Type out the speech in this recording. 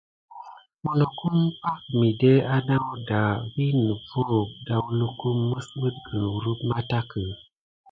Minokum pay midé anakuda vi nevoyi dakulum misbukine kurum mantaki.